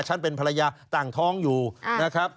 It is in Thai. ฉันเป็นภรรยาต่างท้องอยู่นะครับ